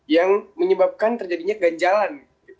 yang menyebabkan terjadinya keganjalan